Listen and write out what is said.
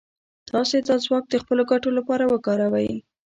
تاسې دا ځواک د خپلو ګټو لپاره وکاروئ.